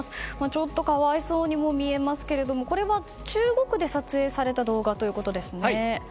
ちょっと可哀想にも見えますけれどもこれは中国で撮影された動画ということですよね。